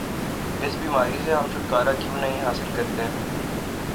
اس بیماری سے ہم چھٹکارا کیوں نہیں حاصل کرتے؟